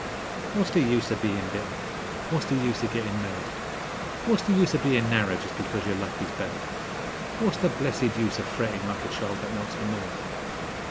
What's the use of bein' bitter? What's the use of gettin' mad? What's the use of bein' narrer just because yer luck is bad? What's the blessed use of frettin' like a child that wants the moon?